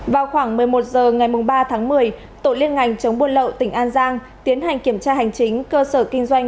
vào khoảng một mươi một h ngày ba tháng một mươi tổ liên ngành chống buôn lậu tỉnh an giang tiến hành kiểm tra hành chính cơ sở kinh doanh